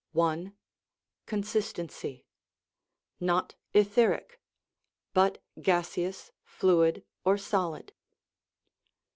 Consistency': Not etheric (but gaseous, fluid, or solid).